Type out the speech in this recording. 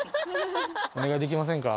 お願いできませんか？